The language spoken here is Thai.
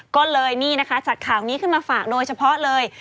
ก็เลยนี่นะคะจากข่าวนี้ขึ้นมาฝากโดยเฉพาะเลย